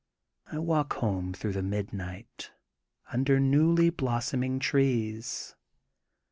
I walk home through the mid night, under newly blossoming trees.